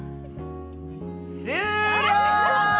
終了！